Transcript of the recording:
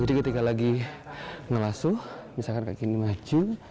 jadi ketika lagi ngelasuh misalkan kaki ini maju